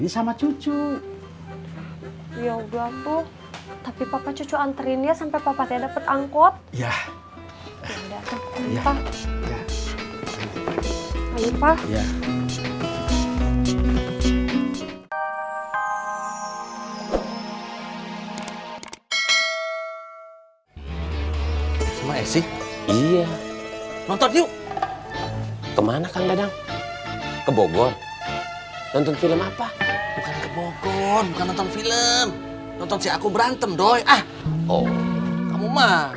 sampai jumpa di video selanjutnya